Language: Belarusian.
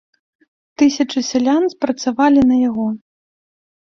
Тысячы сялян працавалі на яго.